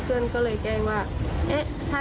พนักงานในร้าน